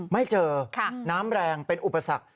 ไม่เจอน้ำแรงเป็นอุปสรรค